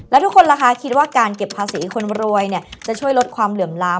แล้วทุกคนล่ะคะคิดว่าการเก็บภาษีคนรวยเนี่ยจะช่วยลดความเหลื่อมล้ำ